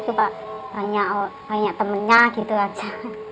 coba banyak temennya gitu aja